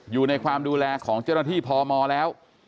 อยู่ในความดูแลของเจ้าหน้าที่พมแล้ว